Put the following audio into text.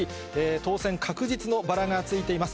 当選確実のバラがついています。